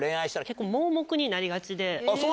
結構盲目になりがちで。